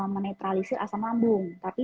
menetralisir asam lambung tapi